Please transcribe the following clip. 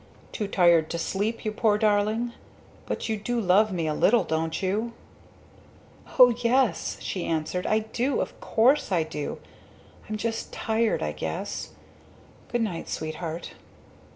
"Too tired to sleep, you poor darling? But you do love me a little, don't you?" "O yes!" she answered. "I do. Of course I do! I'm just tired, I guess. Goodnight, Sweetheart."